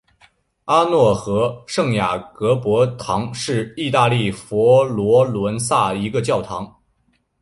阿诺河圣雅各伯堂是意大利佛罗伦萨一个教堂。